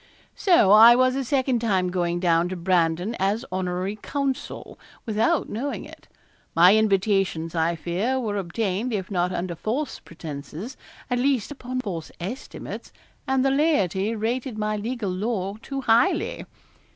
So I was a second time going down to Brandon as honorary counsel, without knowing it. My invitations, I fear, were obtained, if not under false pretences, at least upon false estimates, and the laity rated my legal lore too highly.